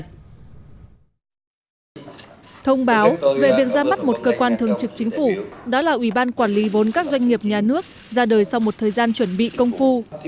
thông báo về việc ra mắt một cơ quan thường trực chính phủ đó là ủy ban quản lý vốn các doanh nghiệp nhà nước ra đời sau một thời gian chuẩn bị công phu